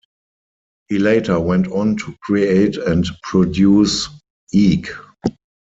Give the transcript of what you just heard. He later went on to create and produce Eek!